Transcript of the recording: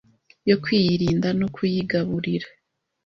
yo kuyirinda no kuyigaburira.